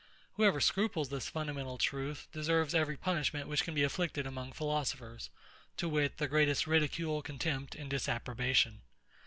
Whoever scruples this fundamental truth, deserves every punishment which can be inflicted among philosophers, to wit, the greatest ridicule, contempt, and disapprobation.